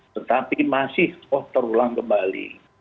tetapi masih terulang kembali